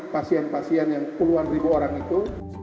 pasien pasien yang puluhan ribu orang itu